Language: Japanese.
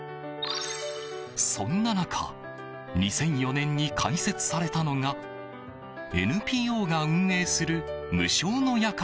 そんな中２００４年に開設されたのがＮＰＯが運営する無償の夜間